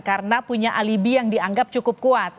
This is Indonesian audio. karena punya alibi yang dianggap cukup kuat